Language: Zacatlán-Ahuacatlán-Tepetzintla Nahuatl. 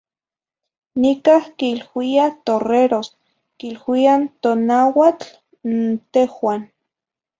Nicah quiluiah torreros, quiluiah n tonauatl n tehuah.